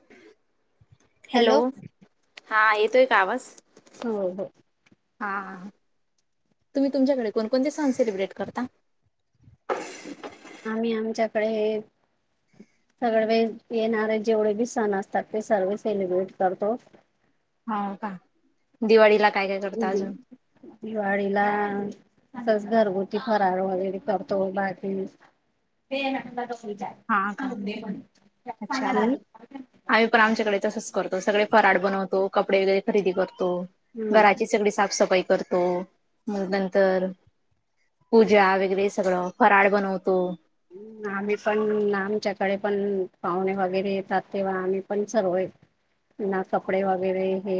[inaudible] Hello हा येतोय का आवा? हो, हो. हा तुम्ही तुमच्याकडे कोणकोणते सण सेलिब्रेट करता? आम्ही आमच्याकडे सगळे जे येणारे जेवढे बी सण असतात. ते सगळे सेलिब्रेट करतो. हो का? दिवाळीला काय, काय करता अजून? दिवाळीला तेच घरगुती फराळ वगैरे करतो बाकी [inaudible] हा का अच्छा. आम्ही पण आमच्याकडे तसच करतो. सगळे फराळ बनवतो, कपडे वगैरे खरेदी करतो. हम्म घराची सगळी साफसफाई करतो, नंतर पूजा वगैरे सगळं फराळ बनवतो. आम्ही पण आमच्याकडे पण पाहुणे वगैरे येतात. तेव्हा आम्ही पण सर्व ना कपडे वगैरे हे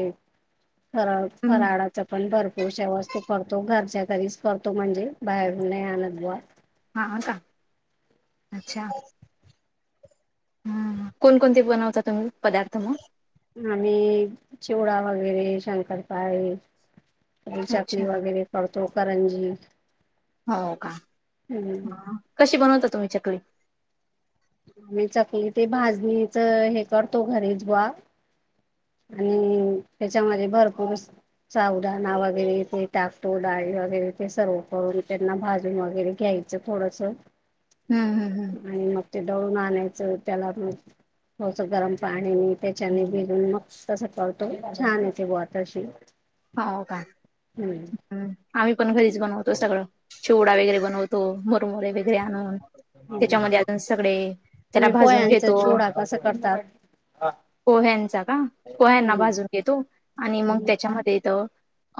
सर्व हम्म फराळ वगैरे पण भरपूरशा वस्तू करतो. घरच्या घरीच करतो. म्हणजे बाहेरून नाही आणत बा हां का अच्छा हम् कोणकोणते बनवता तुम्ही पदार्थ मग. आम्ही चिवडा वगैरे शंकरपाळी. अच्छा चकली वगैरे करतो. करंजी, हो का? हम्, ह. हा. कशी बनवता तुम्ही चकली? आम्ही चकली ते भाजणीच हे करतो घरीच बा. हम्म आणि त्याच्यामध्ये भरपूर असं साबुदाना वगैरे ते टाकतो. डाळी वगैरे ते सर्व एकत्र करून त्यांना भाजून वगैरे घ्यायचं च थोडसं हूं, हूं, हूं. आणि मग ते दळून आणायचं त्याला घेऊन थोडसं गरम पाणीने त्याच्याने भिजून मग तसं करतो छान येते बा तशी. हो का? हम्म आम्ही पण घरीच बनवतो सगळं. चिवडा वगैरे बनवतो मुरमरे घेऊन. आणून हम्म त्याच्यामध्ये अजून सगळे त्याला तुम्ही भाजून पोह्यांचा घेतो. चिवडा कसा करतात? पोह्यांचा का पोह्यांना हम्म भाजून घेतो. आणि मग त्याच्यामध्ये ते तर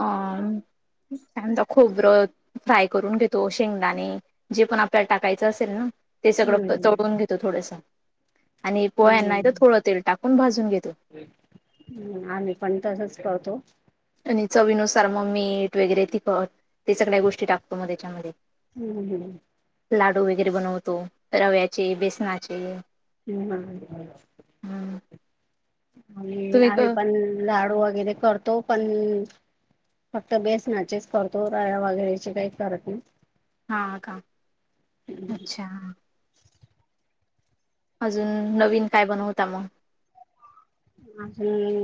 अं त्यानंतर कांदा खोबरं फ्राय करून घेतो. शेंगदाणे, जे पण आपल्याला टाकायचं असेल ना ते सगळं हम्म तळून घेतो थोडसं आणि पोहयांना इथं थोडं तेल टाकून भाजून घेतो. हूं आम्ही पण तसंच करतो. आणि चवीनुसार मग मीठ वगैरे तिखट ते सगळ्यां गोष्टी टाकतो, मग त्याच्यामध्ये. हम्म हम्म लाडू वगैरे बनवतो रव्याचे, बेसनाचे. म्हणून आहे. हम्म आणि तुम्ही क आम्ही पण लाडू वगैरे करतो. पण फक्त बेसनाचेच करतो, रव्या वगैरेचे काही करत नाही. हा का अच्छा. अजून नवीन काय बनवता मग. अजून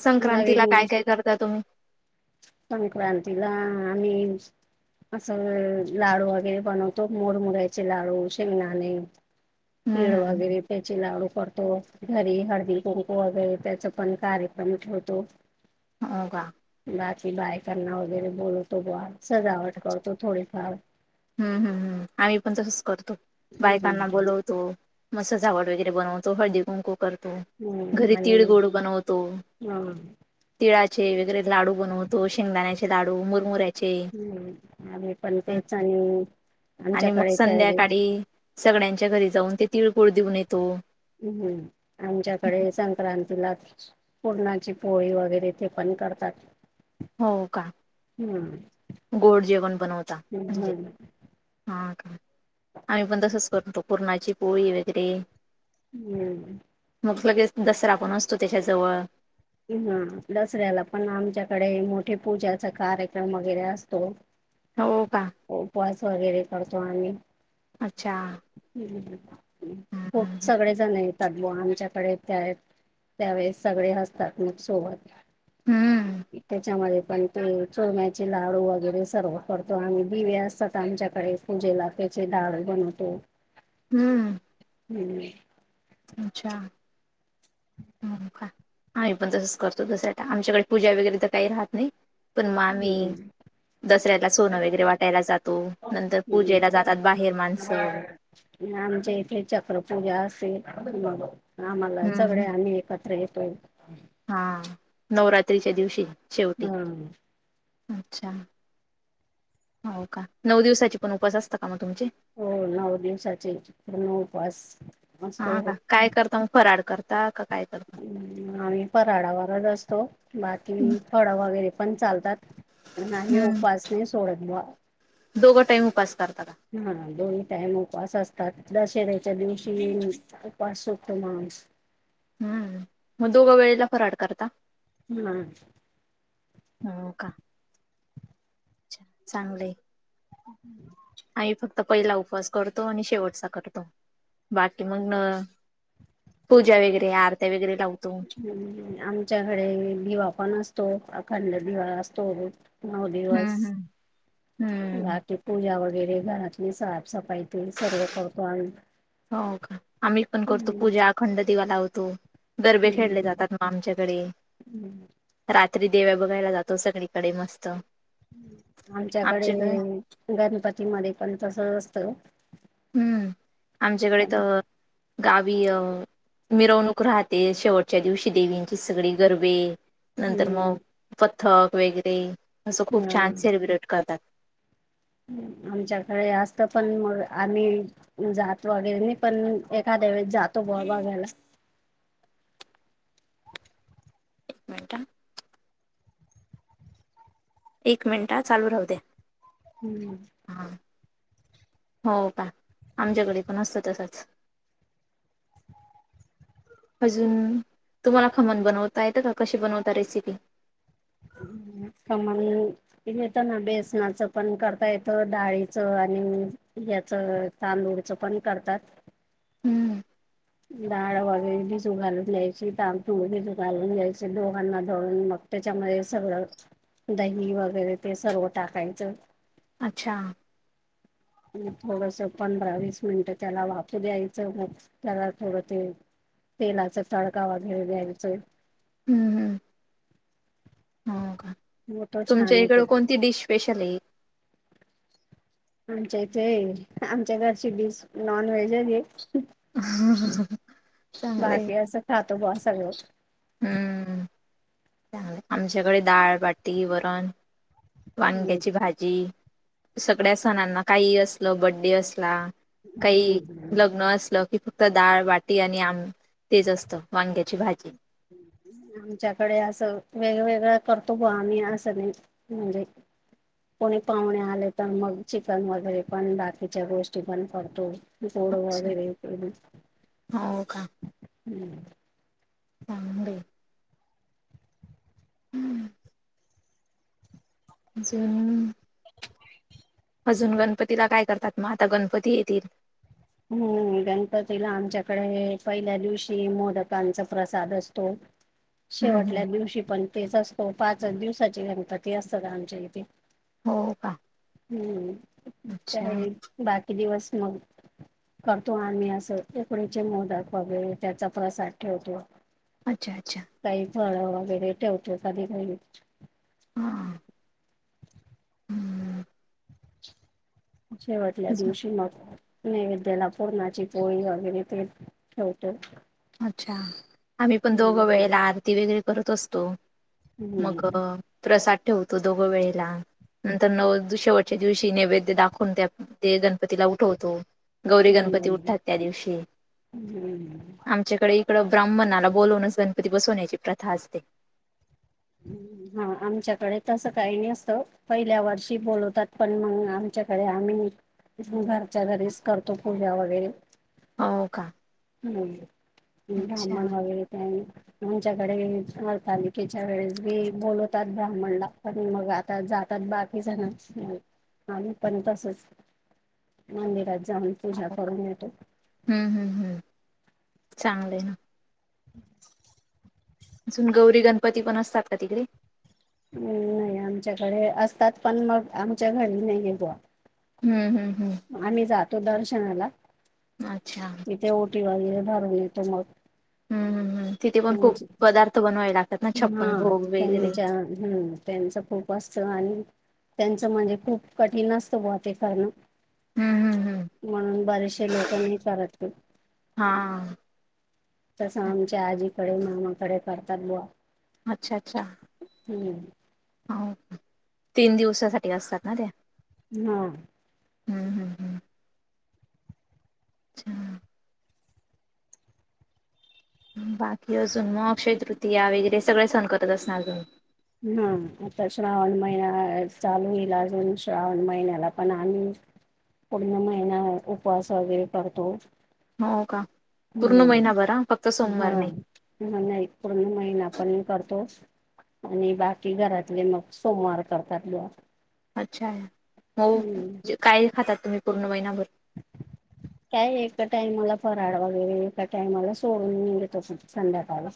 संक्रांतीला नवीन काय काय करता तुम्ही. संक्रांतीला आम्ही असं लाडू वगैरे बनवतो. मुरमुऱ्याचे लाडू, शेंगदाणे हम्म तीळ हम्म वगैरे त्याचे लाडू करतो. घरी हळदी-कुंकू वगैरे त्याच पण कार्यक्रम ठेवतो. हो का. बाकी बायकांना वगैरे बोलवतो बुवा, सजावट करतो थोडीफार. हुं हूं, आम्ही पण तसच करतो, बायकांना बोलवतो. मग सजावट वगैरे बनवतो, हळदी कुंकू करतो. हम्म घरी आणि तीळगुळ बनवतो. हा तिळाचे वगैरे लाडू बनवतो. शेंगदाण्याचे लाडू, मुरमुऱ्याचे हं, आम्ही पण हं. तेच आणि आणि मग आमच्याकडे तर संध्याकाळी, सगळ्यांच्या घरी जाऊन ते तिळगुळ देऊन येतो. हूं, आमच्याकडे संक्रांतीलाच पुरणाची पोळी वगैरे ते पण करतात. हो का, हम्म गोड जेवण बनवता म्हणजे. हम्म हां का, आम्ही पण तसंच करतो पुरणाची पोळी वगैरे. हं. मग लगेच दसरा पण असतो, त्याच्याजवळ. हं दसऱ्याला पण आमच्याकडे मोठे पूजाचा कार्यक्रम वगैरे असतो. [inaudible] हो का. उपवास वगैरे करतो आम्ही. अच्छा. हम्म हो सगळे जण येतात. बुवा आमच्याकडे त्यावेळी. त्यावेळेस सगळे असतात मग सोबत. हम्म त्याच्यामध्ये पण ते चोरम्याचे लाडू वगैरे सर्व करतो आम्ही, दिवे असतात आमच्याकडे. पूजेला त्याचे डाळं बनवतो. हम्म. हं, हं. अच्छा. हो का आम्ही पण तसंच करतो. तस आमच्याकडे पूजा वगैरे तर काही राहत नाही. पण आम्ही हम्म दसऱ्याला सोनं वगैरे वाटायला जातो, नंतर पूजेला हम्म. जातात बाहेर माणसं. आमच्या इथे चक्रपूजा असेल म आम्हाला सगळे हम्म आम्ही एक त्र येतोय. हा नवरात्रीच्या दिवशी शेवटी. हा अच्छा. हो का. नऊ दिवसाची पण उपवास असत का मग तुमचे? हो. नऊ दिवसाचे पूर्ण उपवास. असतो हां का. काय अं, करता? मग फराड करता का काय करता? हम. आम्ही फराडावरच असतो. बाकी फळं वगैरे पण चालतात. नाही हम्म उपास नाही सोडत बुवा. दोघं टाईम उपास करता का? हा दोन्ही टाइम उपवास असतात. दशऱ्याच्या दिवशी उपवास सोडतो माणूस. हम्म. मग दोघं वेळेला फराड करता. हम. हो का. चांगल आहे. आई फक्त तर पहिला उपवास करतो आणि शेवटचा करतो बाकी मग पूजा वैगरे आरत्या वगैरे लाव ह. आमच्याकडे दिवा पण असतो. अखंड दिवा असतो. नऊ दिवस हम्म हम्म हम्म बाकी पूजा वगैरे घरातली साफसफाई तेन सर्व करतो आम्ही. हो का. आम्ही पण करतो हम्म पूजा. अखंड दिवा लावतो. गरबे खेळले हम्म जातात मग आमच्याकडे. हम्म. रात्री देव्या बघायला जातो सगळीकडे मस्त. हम. आमच्याकडे गणपती मध्ये पण तसच असत. हम्म आमच्याकडे तर, गावी अ मिरवणूक राहते. शेवटच्या दिवशी देवींची सगळी गरबे नंतर हम्म मग पथक वगैरे असं खूप छान सेलिब्रेट करतात. हम. आमच्याकडे असत पण मग आम्ही, जातो वगैरे नाही पण एखाद्या वेळेस जातो बुवा बघायला. एक मिनटं एक मिनिट हा चालू राहू दे. हम्म. हा हो का आमच्याकडे पण असतं तसंच. अजून तुम्हाला खमंग बनवता येतं का? कशी बनवता रेसिपी? खमंग. येत ना. बेसनाचं पण करता येतं. डाळीचं आणि याच तांदूळचं पण करतात. हम्म डाळ वगैरे भिजू घालून घ्यायची. तांदूळ भिजू घालून घ्यायचे दोघांना दळून मग त्याच्यामध्ये सगळं दही वगैरे ते सर्व टाकायचं. अच्छा. थोडस पंधरा- वीस मिनिटं त्याला वाफू द्यायचं. मग त्याला थोडं ते तेलाचा तडका वगैरे द्यायचंय. हम. होत का. मग तो छान तुमच्या होतो. इकड कोणती डिश स्पेशल आहे? आमच्या इथे आमच्याकडची डिश नॉन व्हेज आहे. [unintelligible] चांगल्या बाकी असं खातो बुवा सगळं. हम्म आमच्याकडे डाळ, बाट्टी, वरण, वांग्याची भा जी सगळ्या सणांना काही असलं बड्डे असला काही लग्न असलं कि फ क्त डाळ बाटी आणि आम तेच असतं वांग्याची भाजी. [inaudible] आमच्याकडे असं वेगवेगळं करतो बॉ आम्ही असं नाही म्हणजे कोणी पाहुणे आले, तर मग चिकन वगैरे पण बाकीच्या गोष्टी पण करतो. गोड अच्छा वगैरे हम्म हो का चांगलंय. अजून अजून गणपतीला काय करतात मग? आता गणपती येतील. हम्म गणपतीला आमच्याकडे पहिल्या दिवशी मोदकांचा प्रसाद असतो. [inaudible] हम्म, हम्म. शेवटल्या दिवशी पण तेच असतो पाचच दिवसाचे गणपती असतात आमच्या इथे. हो का हम्म ते अच्छा आहेत बाकी दिवस मग करतो आम्ही असं उकडीचे मोदक वगैरे त्याचा प्रसाद ठेवतो. अच्छा अच्छा काही फळ वगैरे ठेवतो कधी कधी. हा हम्म शेवटल्या अजून- दिवशी मग नैवेद्याला पुरणाची पोळी वगैरे ते ठेवतो. अच्छा, आम्ही पण हम्म दोघं वेळेला आरती वगैरे करत असतो. मग हम्म प्रसाद ठेवतो दोघ वेळेला. नंतर नव द शेवटच्या दिवशी नैवेद्य दाखवून त्या ते गणपतीला उठवतो. गौरी गणपती हम्म उठतात त्या दिवशी हम्म आमच्याकडे इकडं ब्राह्मणाला बोलूनच गणपती बसवण्याची प्रथा असते. हा आमच्याकडे तसं काही नाही असतं. पहिल्या वर्षी बोलवतात, पण मग आमच्याकडे आम्ही नी घरच्या घरीच करतो पूजा वगैरे हो का हम्म अच्छा ब्राह्मण वगैरे काही नाही. आच्याकडे हरतालिकेच्या वेळेस बी बोलवतात ब्राह्मणला, पण मग आ ता जातात बाकी जण आम्ही पण तसच. मंदिरात जाऊन पूजा करून येतो. हम्म हम्म हम्म चांगलं आहे ना. [inaudible] अजून गौरी गणपती पण असतात का तिकडे? हम्म नाही आमच्याकडे असतात पण मग आमच्या घरी नाही आहे बॉ. हम्म हम्म हम्म आम्ही जातो दर्शनाला. अच्छा इथे ओटी वगैरे भरून येतं मग. हम्म हम्म हम्म तिथे पण खूप त्यांची पदार्थ बनवावे लागतात ना छप्पन हा भोग वगैरे त्यांच्या हम्म त्यांचं खूप असतं आणि त्यांचं म्हणजे खूप कठीण असतं ग ते करणं. हम्म हम्म हम्म म्हणून बारचश लोकांही चालत हो. हां. तसं आमच्या आजीकडे मामाकडे करतात बुवा. अच्छा! अच्छा! हम. तीन दिवसासाठी असतात ना त्या. हा. हम् हम् हम्. अच्छा! बाकी अजून मग अक्षय तृतीया वगैरे सगळे सण करत असनार तुम्ही. हा आता श्रावण महिना चालू येईल अजून श्रावण महिन्याला पण आम्ही. पूर्ण महिना उपवास वगैरे करतो. हो का पूर्ण महिना भरा फक्त सोमवार नाही. ह नाही पूर्ण महिना पण मी करतो. आणि बाकी घरातले मग सोमवार करतात. अच्छा मग हम्म काय खातात तुम्ही महिनाभर. [inaudible] काय एका टाइमाला फराळ वगैरे एका टाइमाला सोडून निळत होत संध्याकाळ.